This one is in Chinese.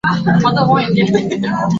捷克斯洛伐克经济严重依存外贸。